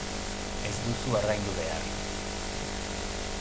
Ez duzu ordaindu behar.